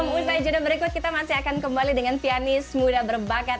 usai judah berikut kita masih akan kembali dengan pianis muda berbakat